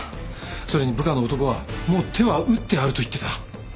それに部下の男は「もう手は打ってある」と言ってた。